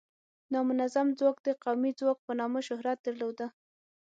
نامنظم ځواک د قومي ځواک په نامه شهرت درلوده.